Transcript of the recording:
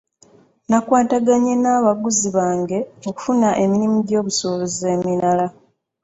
Nakwataganye n'abaguzi bange kufuna emirimu gy'obusuubuzi emirala.